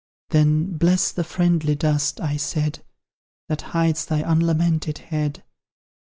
Then "Bless the friendly dust," I said, "That hides thy unlamented head!